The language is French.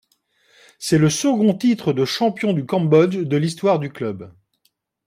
C'est le second titre de champion du Cambodge de l'histoire du club.